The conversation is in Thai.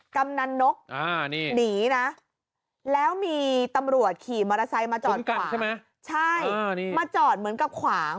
กำนันนกหนีนะแล้วมีตำรวจขี่มอเตอร์ไซค์มาจอดขวางใช่ไหมใช่มาจอดเหมือนกับขวาง